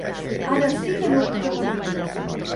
Ara sí que no ho puc reprimir.